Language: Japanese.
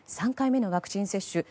３回目のワクチン接種